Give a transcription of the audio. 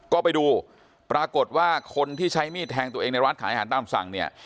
ก็ไปดูปรากฏว่าคนที่ใช้มีดแทงตัวเองในร้านขายอาหารตามสั่งเนี่ย